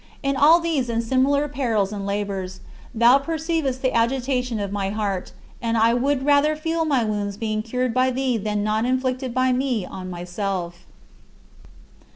In all these and similar perils and labors, thou perceivest the agitation of my heart, and I would rather feel my wounds being cured by thee than not inflicted by me on myself.